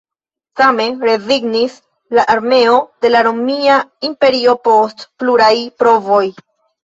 Same rezignis la armeo de la Romia Imperio post pluraj provoj.